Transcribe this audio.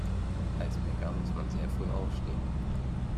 Als Bäcker muss man sehr früh aufstehen.